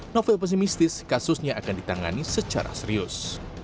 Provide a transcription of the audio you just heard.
novel pesimistis kasusnya akan ditangani secara serius